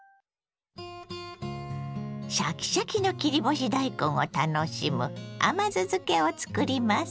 シャキシャキの切り干し大根を楽しむ甘酢漬けを作ります。